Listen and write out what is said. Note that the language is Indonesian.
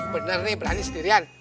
bener nih berani sendirian